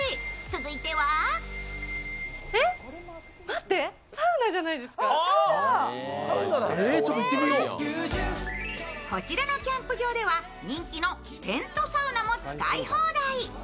続いてはこちらのキャンプ場では人気のテントサウナも使い放題。